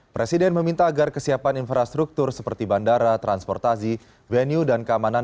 presiden meminta agar kesiapan infrastruktur seperti bandara transportasi venue dan keamanan